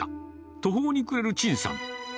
途方に暮れる陳さん。